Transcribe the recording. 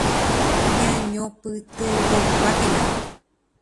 Ñañopytyvõmbákena.